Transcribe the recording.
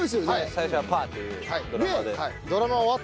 『最初はパー』というドラマで。